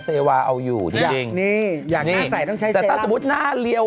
เซวาเอาอยู่ทุกอย่างจริงนี่อยากหน้าใสต้องใช้แต่ถ้าสมมุติหน้าเรียว